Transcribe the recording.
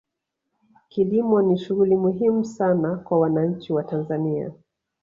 kilimo ni shughuli muhimu sana kwa wananchi wa tanzania